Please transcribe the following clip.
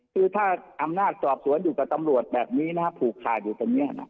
คือถ้าอำนาจสอบสวนอยู่กับตำรวจแบบนี้นะฮะผูกขาดอยู่ตรงนี้นะ